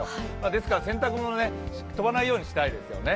ですから洗濯物飛ばないようにしたいですよね。